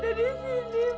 dia ada disini